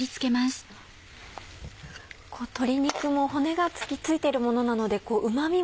鶏肉も骨が付いてるものなのでうま味も。